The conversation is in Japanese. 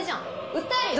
訴えるよ？